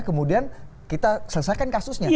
kemudian kita selesaikan kasusnya